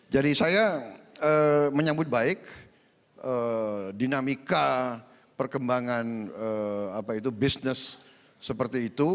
jadi saya menyambut baik dinamika perkembangan apa itu bisnis seperti itu